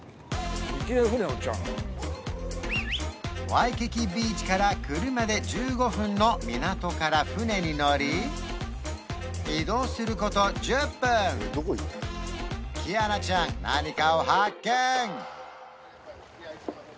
ワイキキビーチから車で１５分の港から船に乗りキアナちゃん何かを発見！